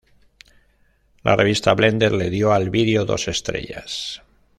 La revista Blender le dio al video dos estrellas.